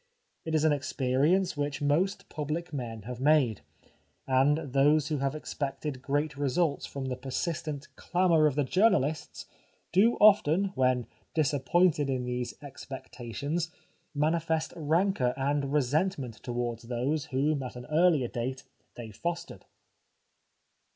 It is an experience which most public men have made ; and those who have expected great results from the persistent clamour of the journalists, do often, when dis appointed in these expectations, manifest ran cour and resentment towards those whom at an 274 The Life of Oscar Wilde earlier date they fostered.